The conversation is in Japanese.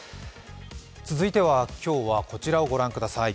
続いては、今日はこちらを御覧ください。